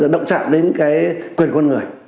động trạm đến quyền quân người